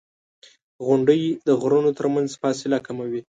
• غونډۍ د غرونو ترمنځ فاصله کموي.